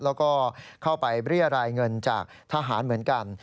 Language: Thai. แล้วก็เข้าไปเรียรายเงินจากทหารเหมือนกัน